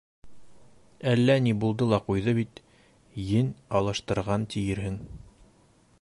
Әллә ни булды ла ҡуйҙы бит, ен алыштырған тиерһең...